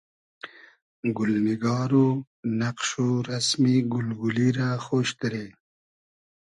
گولنیگار و نئقش و رئسمی گول گولی رۂ خۉش دیرې